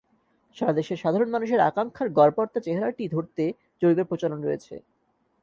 সারা দেশের সাধারণ মানুষের আকাঙ্ক্ষার গড়পড়তা চেহারাটি ধরতে জরিপের প্রচলন রয়েছে।